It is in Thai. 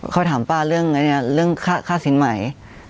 เขาถามป้าเรื่องค่าสินใหม่